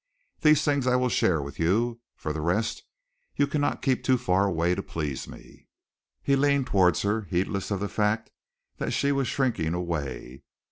These things I will share with you. For the rest, you cannot keep too far away to please me." He leaned towards her, heedless of the fact that she was shrinking away.